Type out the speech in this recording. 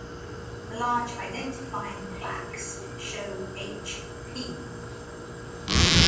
The large identifying plaques show "H P".